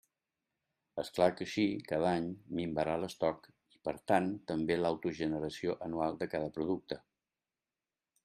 És clar que així, cada any, minvarà l'estoc, i per tant també l'autogeneració anual de cada producte.